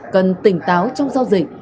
cần tỉnh táo trong giao dịch